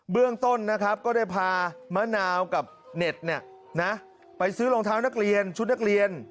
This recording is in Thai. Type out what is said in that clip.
เรื่องต้นนะครับก็ได้พามะนาวกับเน็ตไปซื้อรองเท้านักเรียนชุดนักเรียน